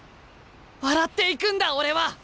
笑って行くんだ俺は！